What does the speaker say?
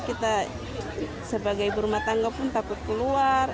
kita sebagai ibu rumah tangga pun takut keluar